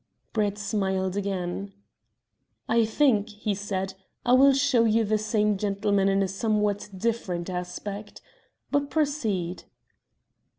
Brett smiled again. "I think," he said, "I will show you the same gentleman in a somewhat different aspect. But proceed."